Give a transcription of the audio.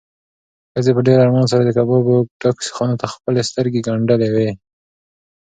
ښځې په ډېر ارمان سره د کبابو ډکو سیخانو ته خپلې سترګې ګنډلې وې.